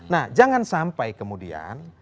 nah jangan sampai kemudian